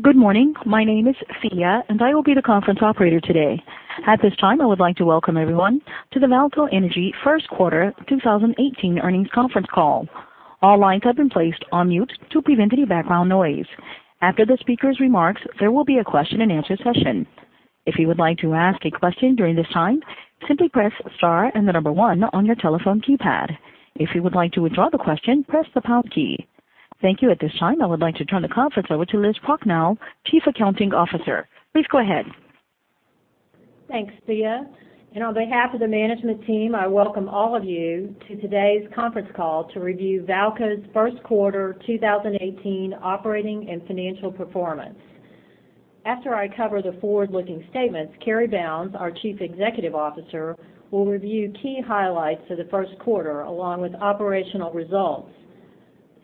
Good morning. My name is Thea, and I will be the conference operator today. At this time, I would like to welcome everyone to the VAALCO Energy first quarter 2018 earnings conference call. All lines have been placed on mute to prevent any background noise. After the speaker's remarks, there will be a question and answer session. If you would like to ask a question during this time, simply press star and the number one on your telephone keypad. If you would like to withdraw the question, press the pound key. Thank you. At this time, I would like to turn the conference over to Elizabeth Prochnow, Chief Accounting Officer. Please go ahead. Thanks, Thea. On behalf of the management team, I welcome all of you to today's conference call to review VAALCO's first quarter 2018 operating and financial performance. After I cover the forward-looking statements, Cary Bounds, our Chief Executive Officer, will review key highlights for the first quarter, along with operational results.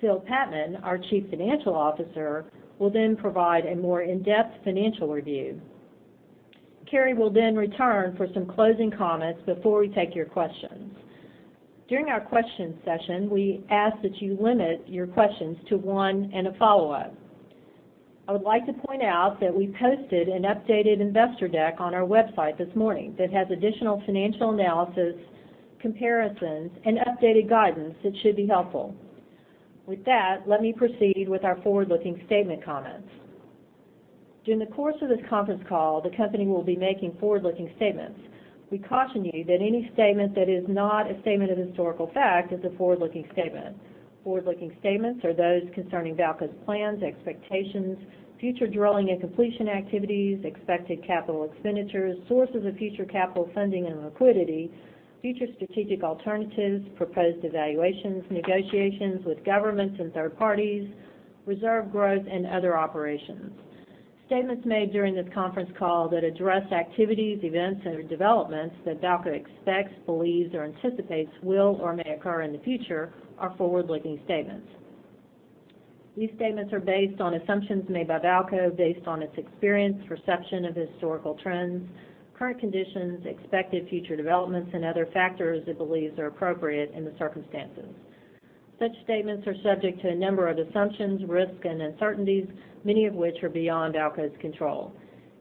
Philip Patman, our Chief Financial Officer, will provide a more in-depth financial review. Cary will return for some closing comments before we take your questions. During our question session, we ask that we limit your questions to one and a follow-up. I would like to point out that we posted an updated investor deck on our website this morning that has additional financial analysis, comparisons, and updated guidance that should be helpful. With that, let me proceed with our forward-looking statement comments. During the course of this conference call, the company will be making forward-looking statements. We caution you that any statement that is not a statement of historical fact is a forward-looking statement. Forward-looking statements are those concerning VAALCO's plans, expectations, future drilling and completion activities, expected capital expenditures, sources of future capital funding and liquidity, future strategic alternatives, proposed evaluations, negotiations with governments and third parties, reserve growth, and other operations. Statements made during this conference call that address activities, events, or developments that VAALCO expects, believes, or anticipates will or may occur in the future are forward-looking statements. These statements are based on assumptions made by VAALCO based on its experience, perception of historical trends, current conditions, expected future developments, and other factors it believes are appropriate in the circumstances. Such statements are subject to a number of assumptions, risks, and uncertainties, many of which are beyond VAALCO's control.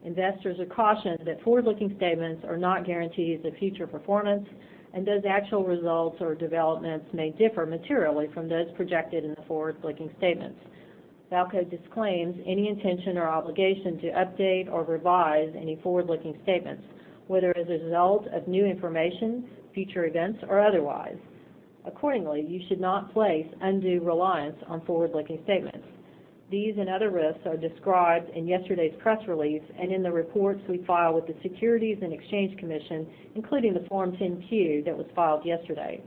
Investors are cautioned that forward-looking statements are not guarantees of future performance and those actual results or developments may differ materially from those projected in the forward-looking statements. VAALCO disclaims any intention or obligation to update or revise any forward-looking statements, whether as a result of new information, future events, or otherwise. Accordingly, you should not place undue reliance on forward-looking statements. These and other risks are described in yesterday's press release and in the reports we file with the Securities and Exchange Commission, including the Form 10-Q that was filed yesterday.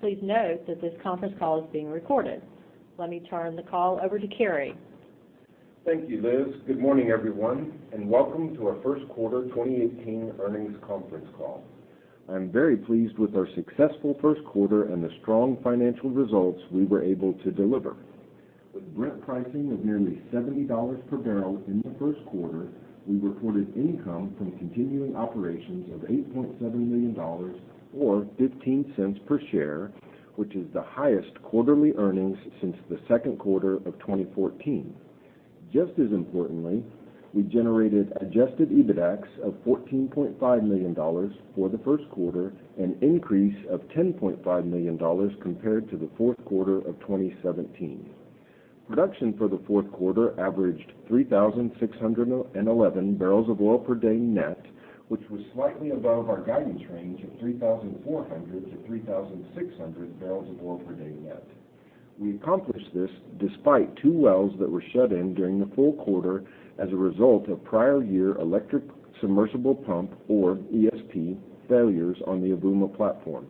Please note that this conference call is being recorded. Let me turn the call over to Cary. Thank you, Liz. Good morning, everyone, and welcome to our first quarter 2018 earnings conference call. I'm very pleased with our successful first quarter and the strong financial results we were able to deliver. With Brent pricing of nearly $70 per barrel in the first quarter, we reported income from continuing operations of $8.7 million or $0.15 per share, which is the highest quarterly earnings since the second quarter of 2014. Just as importantly, we generated adjusted EBITDAX of $14.5 million for the first quarter, an increase of $10.5 million compared to the fourth quarter of 2017. Production for the first quarter averaged 3,611 barrels of oil per day net, which was slightly above our guidance range of 3,400-3,600 barrels of oil per day net. We accomplished this despite two wells that were shut in during the full quarter as a result of prior year electric submersible pump, or ESP, failures on the Avouma platform.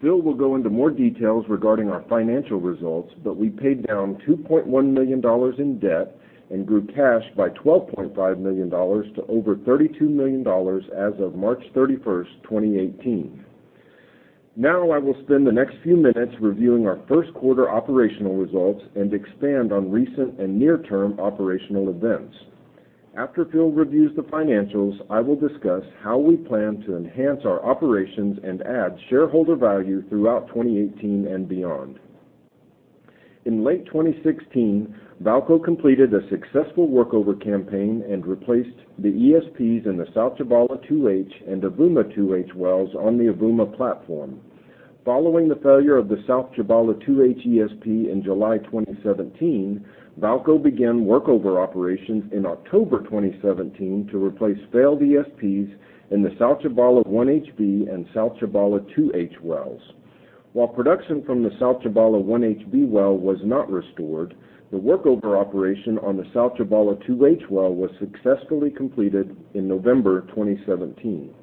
Phil will go into more details regarding our financial results, but we paid down $2.1 million in debt and grew cash by $12.5 million to over $32 million as of March 31st, 2018. I will spend the next few minutes reviewing our first quarter operational results and expand on recent and near-term operational events. After Phil reviews the financials, I will discuss how we plan to enhance our operations and add shareholder value throughout 2018 and beyond. In late 2016, VAALCO completed a successful workover campaign and replaced the ESPs in the South Tchibala 2-H and Avouma 2-H wells on the Avouma platform. Following the failure of the South Tchibala 2-H ESP in July 2017, VAALCO began workover operations in October 2017 to replace failed ESPs in the South Tchibala 1HB and South Tchibala 2-H wells. While production from the South Tchibala 1HB well was not restored, the workover operation on the South Tchibala 2-H well was successfully completed in November 2017.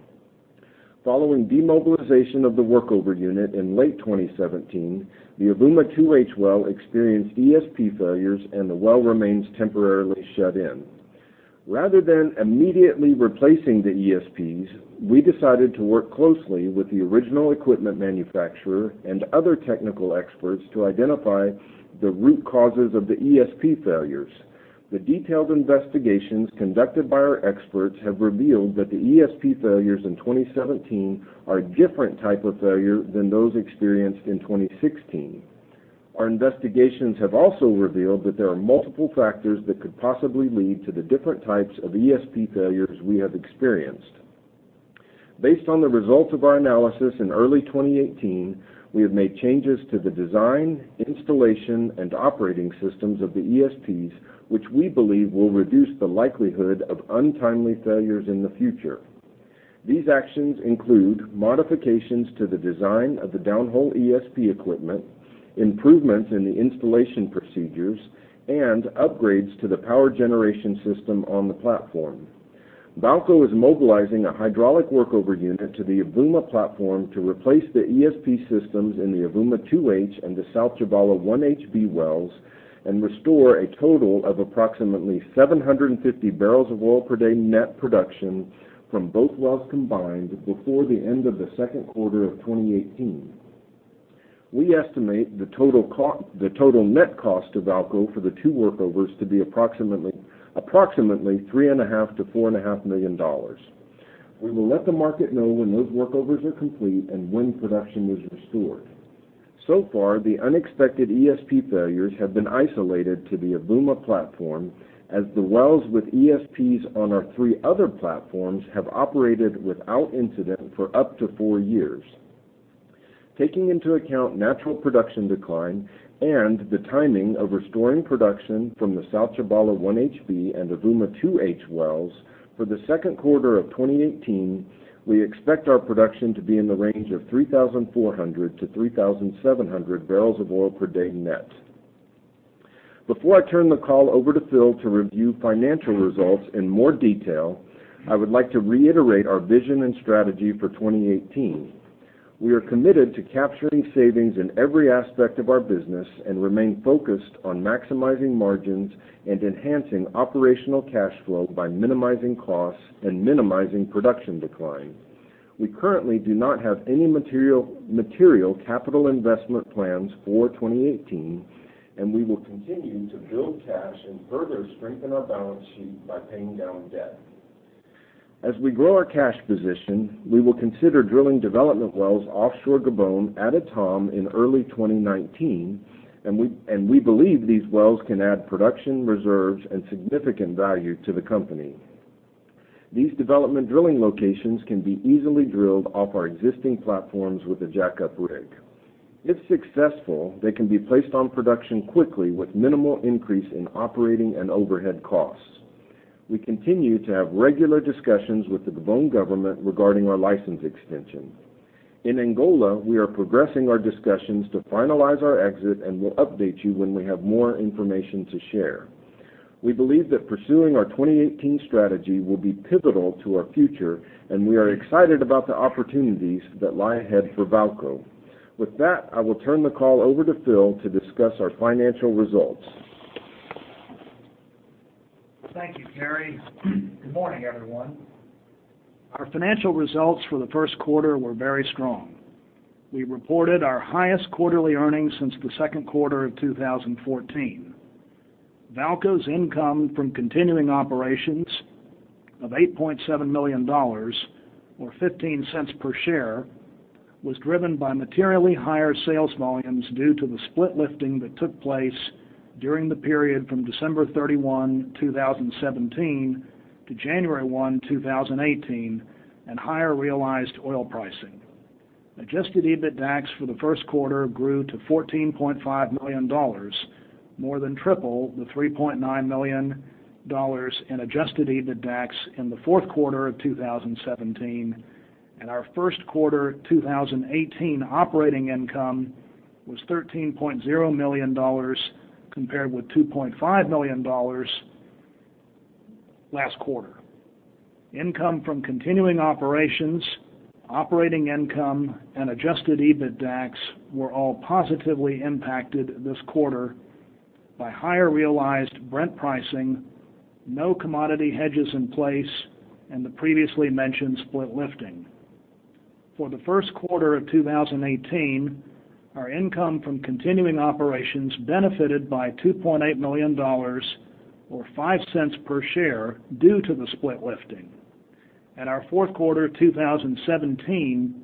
Following demobilization of the workover unit in late 2017, the Avouma 2-H well experienced ESP failures, and the well remains temporarily shut in. Rather than immediately replacing the ESPs, we decided to work closely with the original equipment manufacturer and other technical experts to identify the root causes of the ESP failures. The detailed investigations conducted by our experts have revealed that the ESP failures in 2017 are a different type of failure than those experienced in 2016. Our investigations have also revealed that there are multiple factors that could possibly lead to the different types of ESP failures we have experienced. Based on the results of our analysis in early 2018, we have made changes to the design, installation, and operating systems of the ESPs, which we believe will reduce the likelihood of untimely failures in the future. These actions include modifications to the design of the downhole ESP equipment, improvements in the installation procedures, and upgrades to the power generation system on the platform. VAALCO is mobilizing a hydraulic workover unit to the Avouma platform to replace the ESP systems in the Avouma 2-H and the South Tchibala 1HB wells and restore a total of approximately 750 barrels of oil per day net production from both wells combined before the end of the second quarter of 2018. We estimate the total net cost to VAALCO for the two workovers to be approximately three and a half to four and a half million dollars. We will let the market know when those workovers are complete and when production is restored. Far, the unexpected ESP failures have been isolated to the Avouma platform, as the wells with ESPs on our three other platforms have operated without incident for up to four years. Taking into account natural production decline and the timing of restoring production from the South Tchibala 1HB and Avouma 2-H wells, for the second quarter of 2018, we expect our production to be in the range of 3,400 to 3,700 barrels of oil per day net. Before I turn the call over to Phil to review financial results in more detail, I would like to reiterate our vision and strategy for 2018. We are committed to capturing savings in every aspect of our business and remain focused on maximizing margins and enhancing operational cash flow by minimizing costs and minimizing production decline. We currently do not have any material capital investment plans for 2018, and we will continue to build cash and further strengthen our balance sheet by paying down debt. As we grow our cash position, we will consider drilling development wells offshore Gabon at Etame in early 2019, and we believe these wells can add production reserves and significant value to the company. These development drilling locations can be easily drilled off our existing platforms with a jackup rig. If successful, they can be placed on production quickly with minimal increase in operating and overhead costs. We continue to have regular discussions with the Gabon government regarding our license extension. In Angola, we are progressing our discussions to finalize our exit and will update you when we have more information to share. We believe that pursuing our 2018 strategy will be pivotal to our future, and we are excited about the opportunities that lie ahead for VAALCO. With that, I will turn the call over to Phil to discuss our financial results. Thank you, Cary. Good morning, everyone. Our financial results for the first quarter were very strong. We reported our highest quarterly earnings since the second quarter of 2014. VAALCO's income from continuing operations of $8.7 million, or $0.15 per share, was driven by materially higher sales volumes due to the split lifting that took place during the period from December 31, 2017, to January 1, 2018, and higher realized oil pricing. Adjusted EBITDAX for the first quarter grew to $14.5 million, more than triple the $3.9 million in Adjusted EBITDAX in the fourth quarter of 2017, and our first quarter 2018 operating income was $13.0 million compared with $2.5 million last quarter. Income from continuing operations, operating income, and Adjusted EBITDAX were all positively impacted this quarter by higher realized Brent pricing, no commodity hedges in place, and the previously mentioned split lifting. For the first quarter of 2018, our income from continuing operations benefited by $2.8 million, or $0.05 per share, due to the split lifting, and our fourth quarter 2017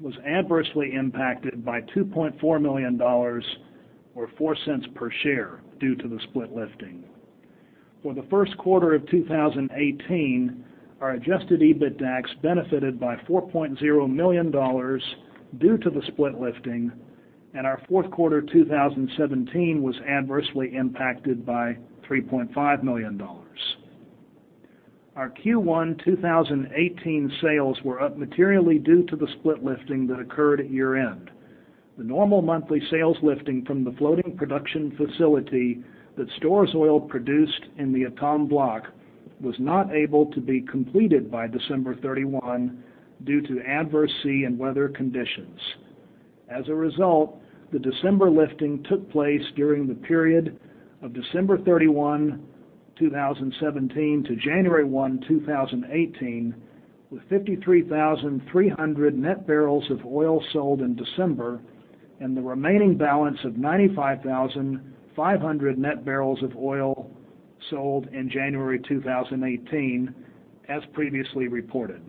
was adversely impacted by $2.4 million, or $0.04 per share, due to the split lifting. For the first quarter of 2018, our adjusted EBITDAX benefited by $4.0 million due to the split lifting, and our fourth quarter 2017 was adversely impacted by $3.5 million. Our Q1 2018 sales were up materially due to the split lifting that occurred at year-end. The normal monthly sales lifting from the floating production facility that stores oil produced in the Etame block was not able to be completed by December 31 due to adverse sea and weather conditions. As a result, the December lifting took place during the period of December 31, 2017, to January 1, 2018, with 53,300 net barrels of oil sold in December and the remaining balance of 95,500 net barrels of oil sold in January 2018, as previously reported.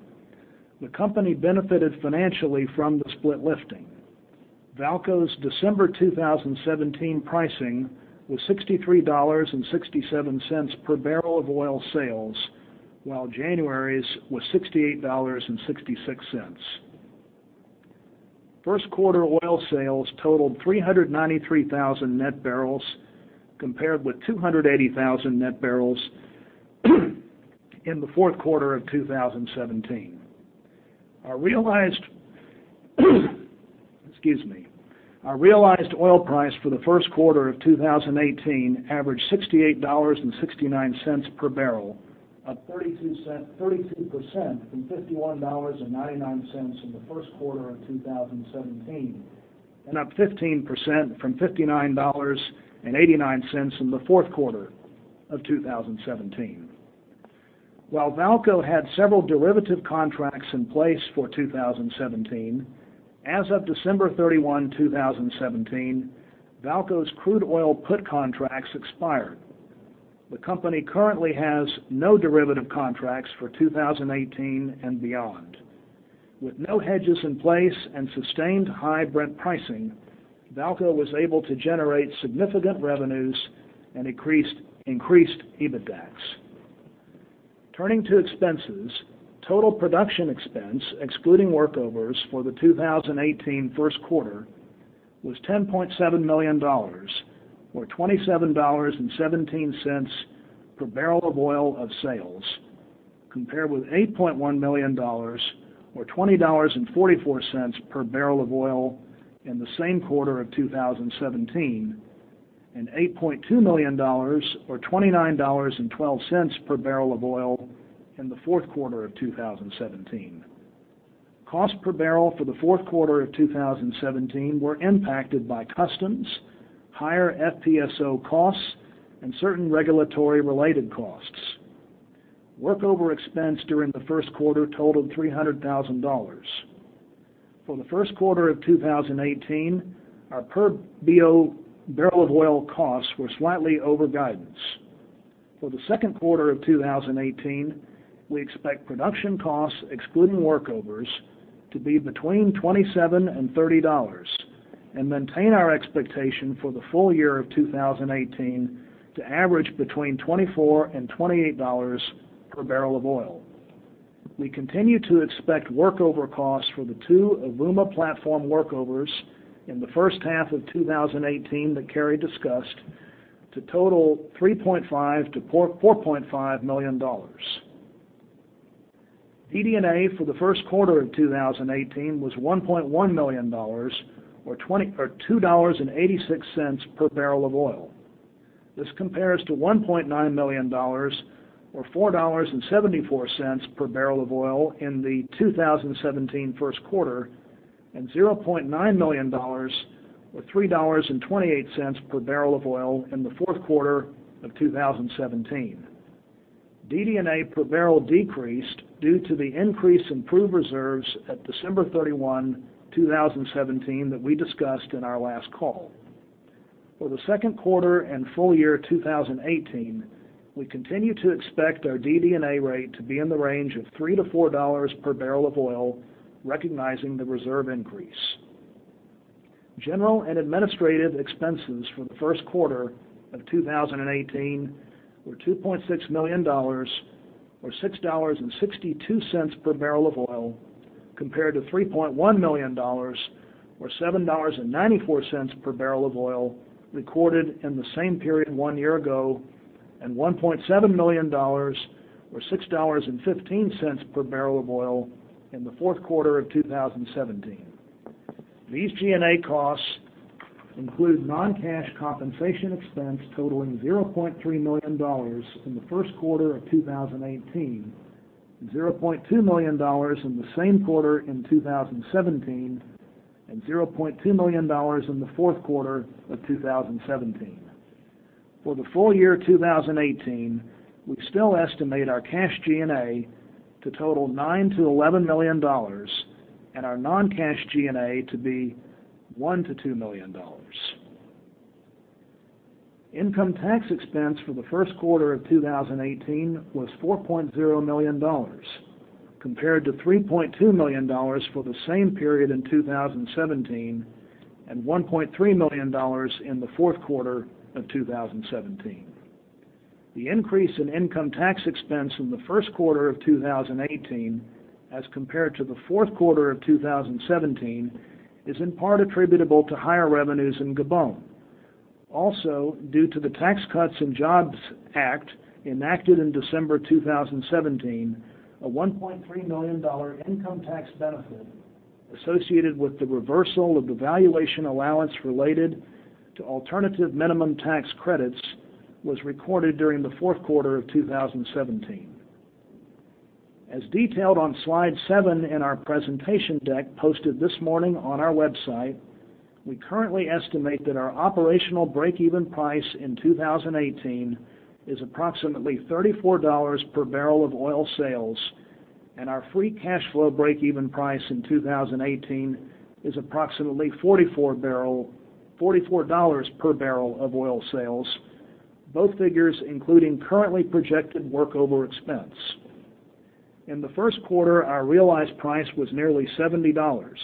The company benefited financially from the split lifting. VAALCO's December 2017 pricing was $63.67 per barrel of oil sales, while January's was $68.66. First quarter oil sales totaled 393,000 net barrels, compared with 280,000 net barrels in the fourth quarter of 2017. Our realized oil price for the first quarter of 2018 averaged $68.69 per barrel, up 32% from $51.99 in the first quarter of 2017, and up 15% from $59.89 in the fourth quarter of 2017. While VAALCO had several derivative contracts in place for 2017, as of December 31, 2017, VAALCO's crude oil put contracts expired. The company currently has no derivative contracts for 2018 and beyond. With no hedges in place and sustained high Brent pricing, VAALCO was able to generate significant revenues and increased EBITDAX. Turning to expenses, total production expense, excluding workovers for the 2018 first quarter, was $10.7 million, or $27.17 per barrel of oil of sales, compared with $8.1 million, or $20.44 per barrel of oil in the same quarter of 2017, and $8.2 million or $29.12 per barrel of oil in the fourth quarter of 2017. Cost per barrel for the fourth quarter of 2017 were impacted by customs, higher FPSO costs, and certain regulatory related costs. Workover expense during the first quarter totaled $300,000. For the first quarter of 2018, our per BO, barrel of oil costs were slightly over guidance. For the second quarter of 2018, we expect production costs, excluding workovers, to be between $27 and $30, and maintain our expectation for the full year of 2018 to average between $24 and $28 per barrel of oil. We continue to expect workover costs for the two Avouma platform workovers in the first half of 2018 that Cary discussed to total $3.5 million-$4.5 million. DD&A for the first quarter of 2018 was $1.1 million or $2.86 per barrel of oil. This compares to $1.9 million or $4.74 per barrel of oil in the 2017 first quarter, and $0.9 million or $3.28 per barrel of oil in the fourth quarter of 2017. DD&A per barrel decreased due to the increase in proved reserves at December 31, 2017 that we discussed in our last call. For the second quarter and full year 2018, we continue to expect our DD&A rate to be in the range of $3-$4 per barrel of oil, recognizing the reserve increase. General and administrative expenses for the first quarter of 2018 were $2.6 million or $6.62 per barrel of oil, compared to $3.1 million or $7.94 per barrel of oil recorded in the same period one year ago, and $1.7 million or $6.15 per barrel of oil in the fourth quarter of 2017. These G&A costs include non-cash compensation expense totaling $0.3 million in the first quarter of 2018, and $0.2 million in the same quarter in 2017, and $0.2 million in the fourth quarter of 2017. For the full year 2018, we still estimate our cash G&A to total $9 million-$11 million, and our non-cash G&A to be $1 million-$2 million. Income tax expense for the first quarter of 2018 was $4.0 million, compared to $3.2 million for the same period in 2017, and $1.3 million in the fourth quarter of 2017. The increase in income tax expense in the first quarter of 2018 as compared to the fourth quarter of 2017, is in part attributable to higher revenues in Gabon. Due to the Tax Cuts and Jobs Act enacted in December 2017, a $1.3 million income tax benefit associated with the reversal of the valuation allowance related to alternative minimum tax credits was recorded during the fourth quarter of 2017. As detailed on slide seven in our presentation deck posted this morning on our website, we currently estimate that our operational break-even price in 2018 is approximately $34 per barrel of oil sales, and our free cash flow break-even price in 2018 is approximately $44 per barrel of oil sales, both figures including currently projected workover expense. In the first quarter, our realized price was nearly $70,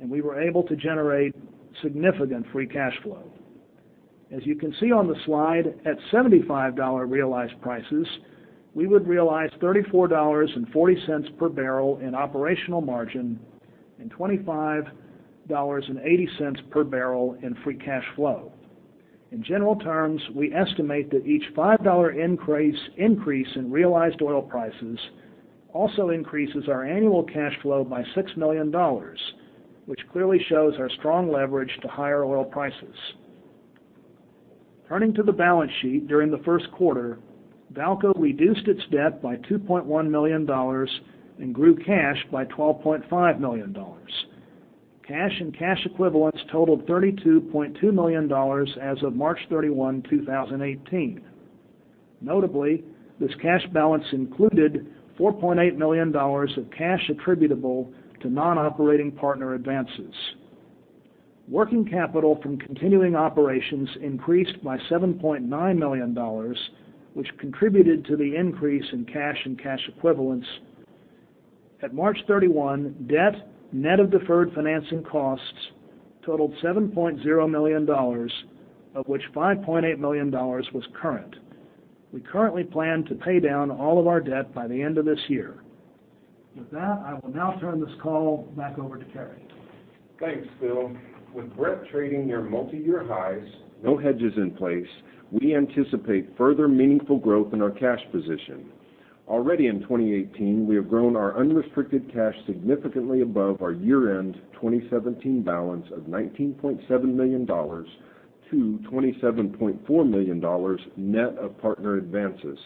and we were able to generate significant free cash flow. As you can see on the slide, at $75 realized prices, we would realize $34.40 per barrel in operational margin and $25.80 per barrel in free cash flow. In general terms, we estimate that each $5 increase in realized oil prices also increases our annual cash flow by $6 million, which clearly shows our strong leverage to higher oil prices. Turning to the balance sheet during the first quarter, VAALCO reduced its debt by $2.1 million and grew cash by $12.5 million. Cash and cash equivalents totaled $32.2 million as of March 31, 2018. Notably, this cash balance included $4.8 million of cash attributable to non-operating partner advances. Working capital from continuing operations increased by $7.9 million, which contributed to the increase in cash and cash equivalents. At March 31, debt net of deferred financing costs totaled $7.0 million, of which $5.8 million was current. We currently plan to pay down all of our debt by the end of this year. With that, I will now turn this call back over to Cary. Thanks, Phil. With Brent trading near multi-year highs, no hedges in place, we anticipate further meaningful growth in our cash position. Already in 2018, we have grown our unrestricted cash significantly above our year-end 2017 balance of $19.7 million to $27.4 million net of partner advances.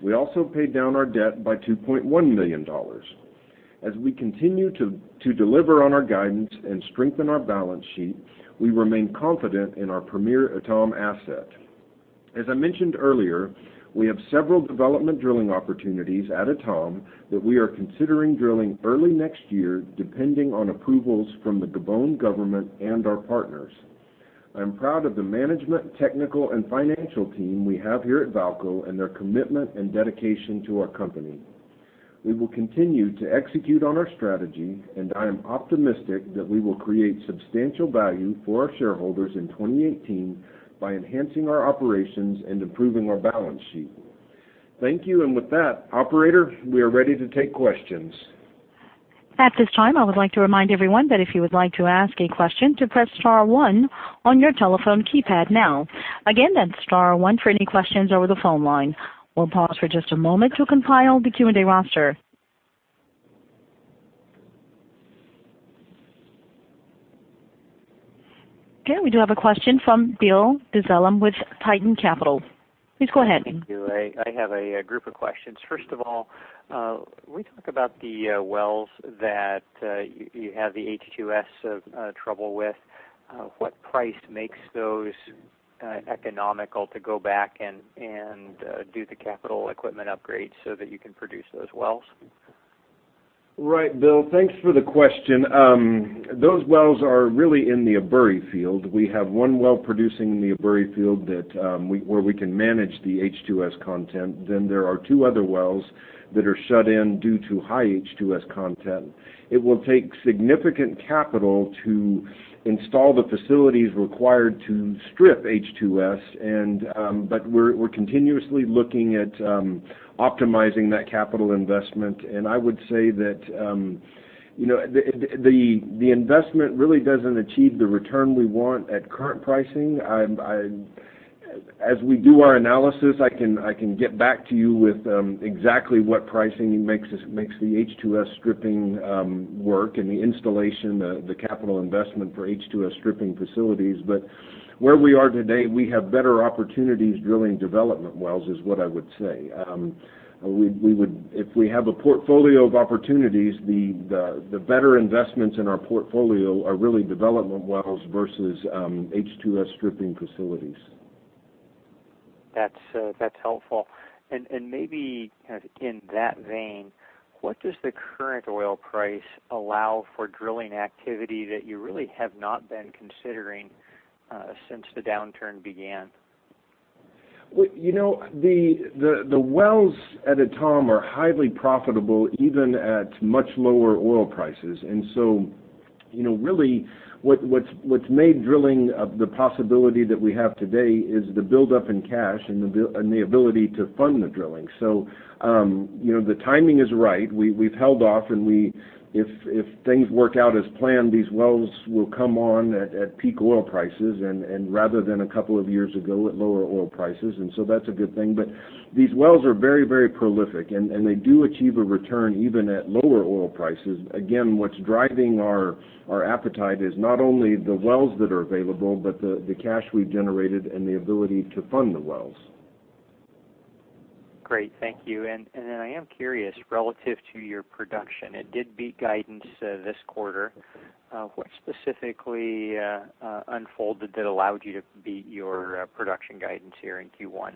We also paid down our debt by $2.1 million. As we continue to deliver on our guidance and strengthen our balance sheet, we remain confident in our premier Etame asset. As I mentioned earlier, we have several development drilling opportunities at Etame that we are considering drilling early next year, depending on approvals from the Gabon government and our partners. I'm proud of the management, technical, and financial team we have here at VAALCO and their commitment and dedication to our company. We will continue to execute on our strategy. I am optimistic that we will create substantial value for our shareholders in 2018 by enhancing our operations and improving our balance sheet. Thank you. With that, operator, we are ready to take questions. At this time, I would like to remind everyone that if you would like to ask a question, to press star one on your telephone keypad now. Again, that's star one for any questions over the phone line. We'll pause for just a moment to compile the Q&A roster. Okay, we do have a question from Bill DuZelle with Titan Capital. Please go ahead. Thank you. I have a group of questions. First of all, can we talk about the wells that you have the H2S trouble with? What price makes those economical to go back and do the capital equipment upgrades so that you can produce those wells? Right, Bill. Thanks for the question. Those wells are really in the Ebouri field. We have one well producing in the Ebouri field where we can manage the H2S content. Then there are two other wells that are shut in due to high H2S content. It will take significant capital to install the facilities required to strip H2S, but we're continuously looking at optimizing that capital investment. I would say that the investment really doesn't achieve the return we want at current pricing. As we do our analysis, I can get back to you with exactly what pricing makes the H2S stripping work and the installation, the capital investment for H2S stripping facilities. Where we are today, we have better opportunities drilling development wells, is what I would say. If we have a portfolio of opportunities, the better investments in our portfolio are really development wells versus H2S stripping facilities. That's helpful. Maybe in that vein, what does the current oil price allow for drilling activity that you really have not been considering since the downturn began? The wells at Etame are highly profitable even at much lower oil prices. Really, what's made drilling the possibility that we have today is the buildup in cash and the ability to fund the drilling. The timing is right. We've held off, and if things work out as planned, these wells will come on at peak oil prices and rather than a couple of years ago at lower oil prices, and so that's a good thing. These wells are very prolific, and they do achieve a return even at lower oil prices. Again, what's driving our appetite is not only the wells that are available, but the cash we've generated and the ability to fund the wells. Great. Thank you. I am curious, relative to your production, it did beat guidance this quarter. What specifically unfolded that allowed you to beat your production guidance here in Q1?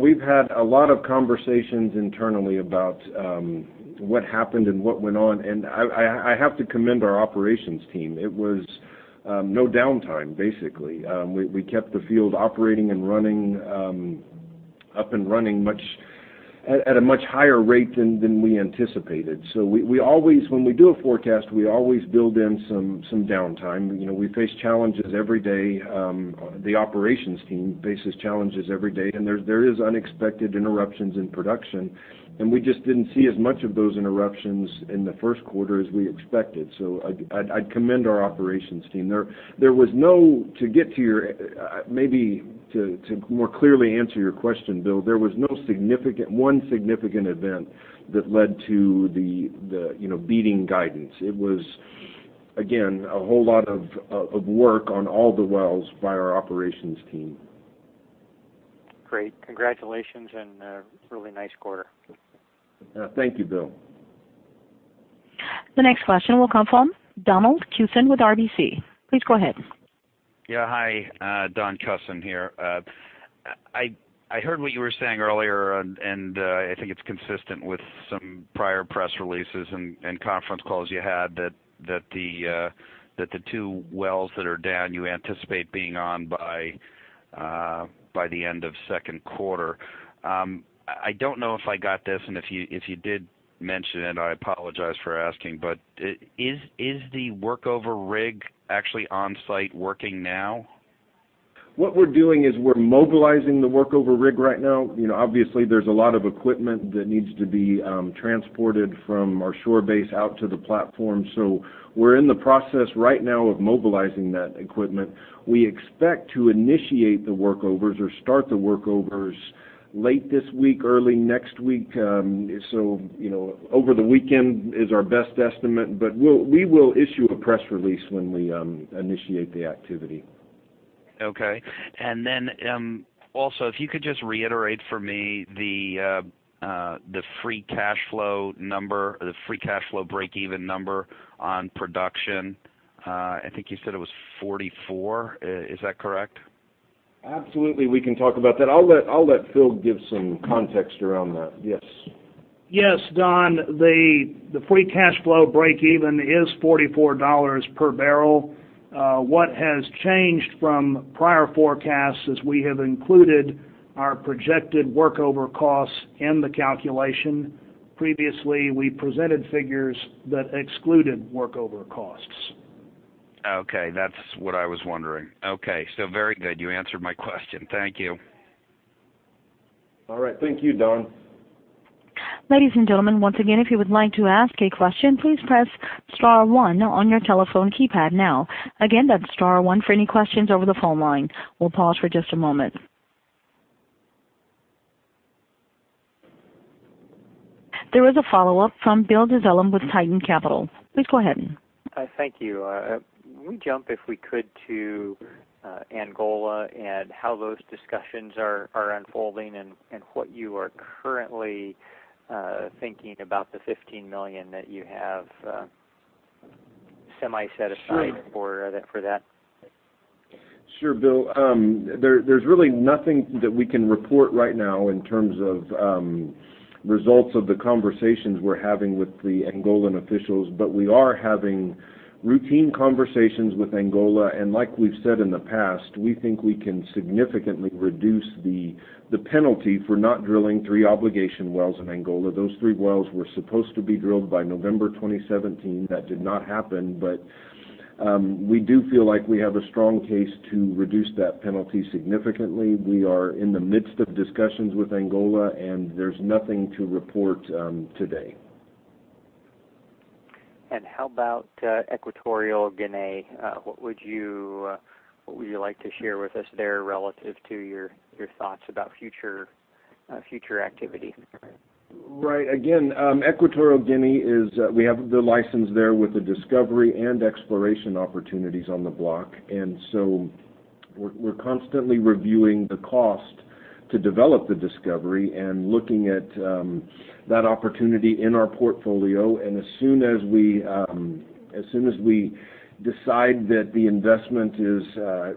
We've had a lot of conversations internally about what happened and what went on. I have to commend our operations team. It was no downtime, basically. We kept the field operating and up and running at a much higher rate than we anticipated. When we do a forecast, we always build in some downtime. We face challenges every day. The operations team faces challenges every day, there are unexpected interruptions in production. We just didn't see as much of those interruptions in the first quarter as we expected. I'd commend our operations team. Maybe to more clearly answer your question, Bill, there was no one significant event that led to the beating guidance. It was, again, a whole lot of work on all the wells by our operations team. Great. Congratulations, a really nice quarter. Thank you, Bill. The next question will come from Donald Cussen with RBC. Please go ahead. Yeah. Hi. Don Cussen here. I heard what you were saying earlier. I think it's consistent with some prior press releases and conference calls you had that the two wells that are down, you anticipate being on by the end of second quarter. I don't know if I got this. If you did mention it, I apologize for asking. Is the workover rig actually on-site working now? What we're doing is we're mobilizing the workover rig right now. Obviously, there's a lot of equipment that needs to be transported from our shore base out to the platform. We're in the process right now of mobilizing that equipment. We expect to initiate the workovers or start the workovers late this week, early next week. Over the weekend is our best estimate. We will issue a press release when we initiate the activity. Okay. Also, if you could just reiterate for me the free cash flow breakeven number on production. I think you said it was $44. Is that correct? Absolutely, we can talk about that. I'll let Phil give some context around that. Yes. Yes, Don, the free cash flow breakeven is $44 per barrel. What has changed from prior forecasts is we have included our projected workover costs in the calculation. Previously, we presented figures that excluded workover costs. Okay. That's what I was wondering. Okay. Very good. You answered my question. Thank you. All right. Thank you, Don. Ladies and gentlemen, once again, if you would like to ask a question, please press star one on your telephone keypad now. Again, that's star one for any questions over the phone line. We'll pause for just a moment. There is a follow-up from Bill DuZelle with Titan Capital. Please go ahead. Thank you. We jump, if we could, to Angola and how those discussions are unfolding and what you are currently thinking about the $15 million that you have semi-set aside for that. Sure. Bill, there's really nothing that we can report right now in terms of results of the conversations we're having with the Angolan officials, but we are having routine conversations with Angola. Like we've said in the past, we think we can significantly reduce the penalty for not drilling three obligation wells in Angola. Those three wells were supposed to be drilled by November 2017. That did not happen, but we do feel like we have a strong case to reduce that penalty significantly. We are in the midst of discussions with Angola, there's nothing to report today. How about Equatorial Guinea? What would you like to share with us there relative to your thoughts about future activity? Right. Again, Equatorial Guinea, we have the license there with the discovery and exploration opportunities on the block. So we're constantly reviewing the cost to develop the discovery and looking at that opportunity in our portfolio. As soon as we decide that the investment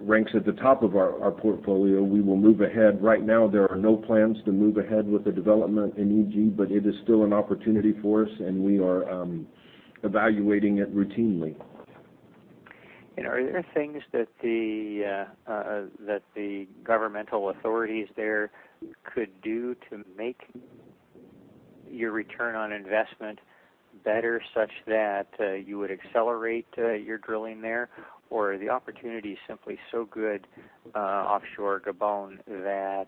ranks at the top of our portfolio, we will move ahead. Right now, there are no plans to move ahead with the development in EG, but it is still an opportunity for us, and we are evaluating it routinely. Are there things that the governmental authorities there could do to make your return on investment better, such that you would accelerate your drilling there? Are the opportunities simply so good offshore Gabon that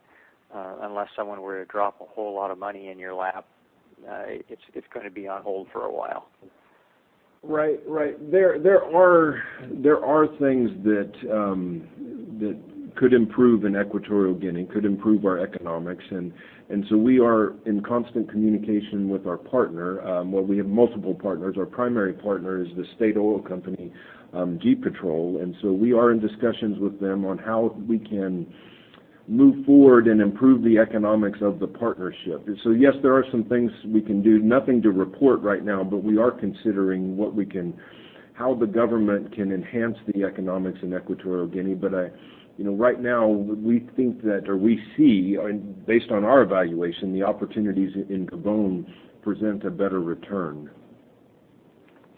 unless someone were to drop a whole lot of money in your lap, it's going to be on hold for a while? Right. There are things that could improve in Equatorial Guinea, could improve our economics. We are in constant communication with our partner. Well, we have multiple partners. Our primary partner is the state oil company, GEPetrol. We are in discussions with them on how we can move forward and improve the economics of the partnership. Yes, there are some things we can do. Nothing to report right now, but we are considering how the government can enhance the economics in Equatorial Guinea. Right now, we think that, or we see, based on our evaluation, the opportunities in Gabon present a better return.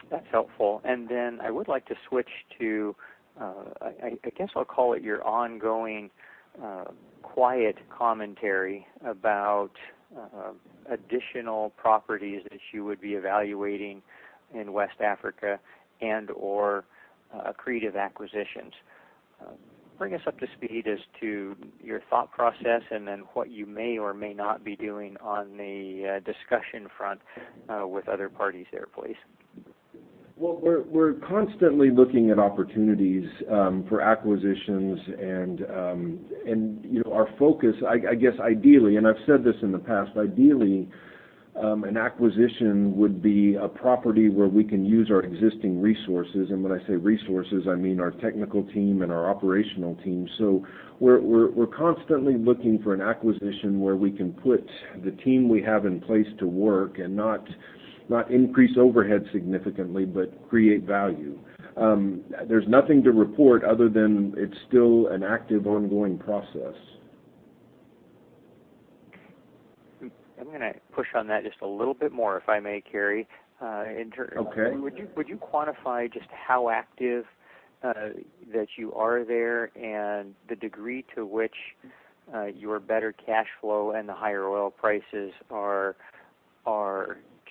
That's helpful. I would like to switch to, I guess I'll call it your ongoing quiet commentary about additional properties that you would be evaluating in West Africa and/or accretive acquisitions. Bring us up to speed as to your thought process what you may or may not be doing on the discussion front with other parties there, please. Well, we're constantly looking at opportunities for acquisitions and our focus, I guess ideally, and I've said this in the past, ideally, an acquisition would be a property where we can use our existing resources. When I say resources, I mean our technical team and our operational team. We're constantly looking for an acquisition where we can put the team we have in place to work and not increase overhead significantly, but create value. There's nothing to report other than it's still an active, ongoing process. I'm going to push on that just a little bit more, if I may, Cary. Okay. Would you quantify just how active that you are there and the degree to which your better cash flow and the higher oil prices are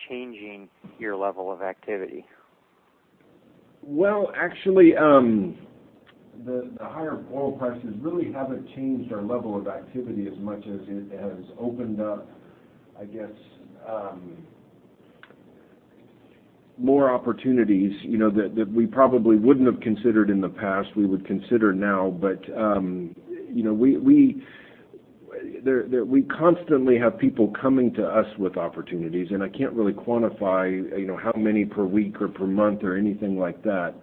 changing your level of activity? Well, actually, the higher oil prices really haven't changed our level of activity as much as it has opened up, I guess, more opportunities, that we probably wouldn't have considered in the past, we would consider now. We constantly have people coming to us with opportunities, and I can't really quantify how many per week or per month or anything like that.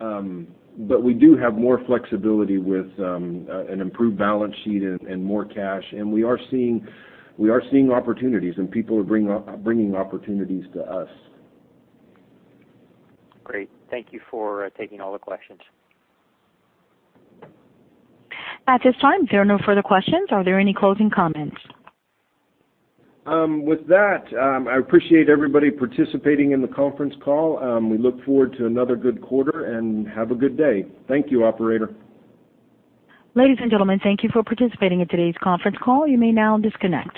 We do have more flexibility with an improved balance sheet and more cash. We are seeing opportunities, and people are bringing opportunities to us. Great. Thank you for taking all the questions. At this time, there are no further questions. Are there any closing comments? With that, I appreciate everybody participating in the conference call. We look forward to another good quarter, and have a good day. Thank you, operator. Ladies and gentlemen, thank you for participating in today's conference call. You may now disconnect.